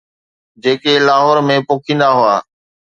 جيڪي لاهور ۾ پوکيندا هئا.